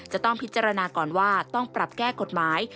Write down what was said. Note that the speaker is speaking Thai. จะต้องพิจารณาก่อนว่าต้องปรับแก้กฎหมาย